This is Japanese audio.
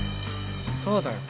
そうだよ。